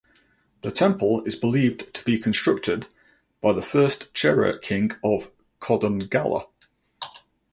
The temple is believed to be constructed by the first Chera king of Kodungallur.